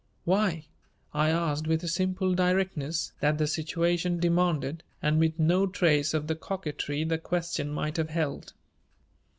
"Why?" I asked with a simple directness that the situation demanded and with no trace of the coquetry the question might have held.